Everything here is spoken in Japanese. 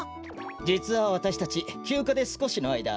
じつはわたしたちきゅうかですこしのあいだ